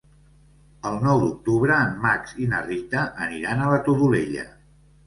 El nou d'octubre en Max i na Rita aniran a la Todolella.